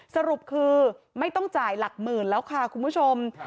สรุปคือไม่ต้องจ่ายหลักหมื่นแล้วค่ะคุณผู้ชม